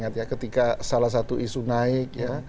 saya ingat ya ketika salah satu isu naik ya